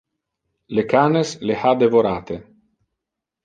Le canes le ha devorate.